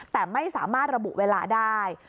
แต่ไม่สามารถระบุเวลาได้